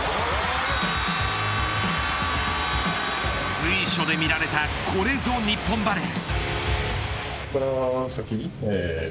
随所で見られたこれぞ、日本バレー。